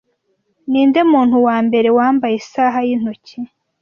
Ninde muntu wambere wambaye isaha yintoki